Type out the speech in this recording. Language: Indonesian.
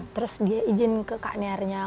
terus dia izin ke kak nearnya